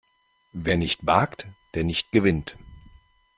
Wer nicht wagt, der nicht gewinnt!